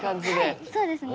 はいそうですね。